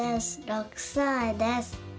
６さいです。